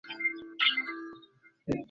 কোনো আওয়াজ করিস না।